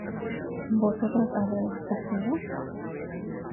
¿vosotras habríais partido?